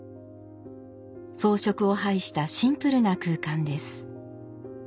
装飾を排したシンプルな空間です。